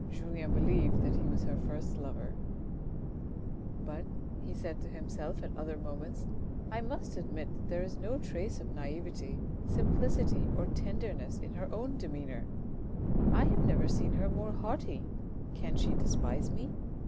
Julien believed that he was her first lover. AN OLD SWORD 353 " But," he said to himself at other moments, " I must admit that there is no trace of naivety, simplicity, or tenderness in her own demeanour; I have never seen her more haughty, can she despise me